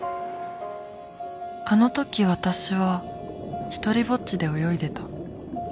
あの時私は独りぼっちで泳いでた。